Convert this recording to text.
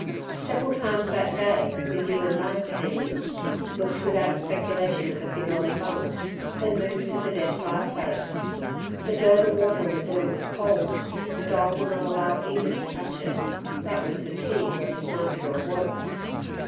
Several times that day the ewe and lamb came in, looked without speculation at the figure on the bunk, then moved to the dead fireplace. But though the water in the billy was cold, the dog would not allow either to touch it. That was for tea when his master awoke.